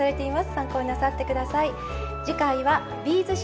参考になさって下さい。